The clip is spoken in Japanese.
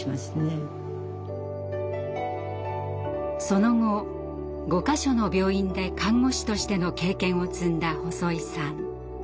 その後５か所の病院で看護師としての経験を積んだ細井さん。